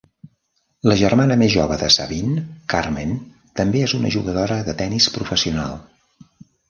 La germana més jove de Sabine, Carmen, també és una jugadora de tennis professional.